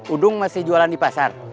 udung masih jualan di pasar